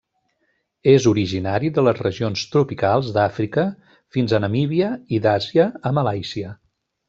És originari de les regions tropicals d'Àfrica fins a Namíbia i d'Àsia a Malàisia.